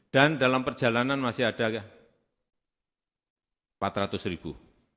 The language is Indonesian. dan dalam perjalanan masih ada empat ratus ribu